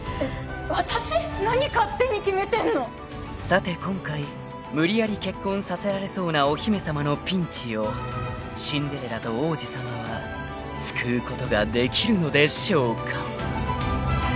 ［さて今回無理やり結婚させられそうなお姫様のピンチをシンデレラと王子様は救うことができるのでしょうか］